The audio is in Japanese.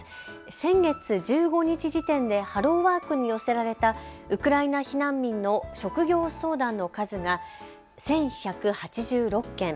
先月１５日時点でハローワークに寄せられたウクライナ避難民の職業相談の数が１１８６件。